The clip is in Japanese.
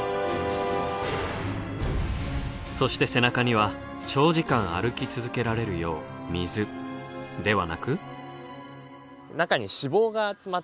そして背中には長時間歩き続けられるよう水ではなく。